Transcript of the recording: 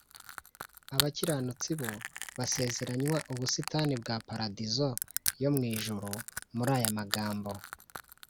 abakiranutsi bo basezeranywa ubusitani bwa paradizo yo mu ijuru muri aya magambo